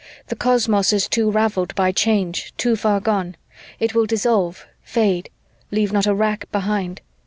The cosmos is too raveled by change, too far gone. It will dissolve, fade, 'leave not a rack behind.'